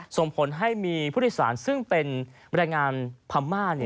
ส่งผลให้มีผู้ทิศาลซึ่งเป็นวัดงานพรรมา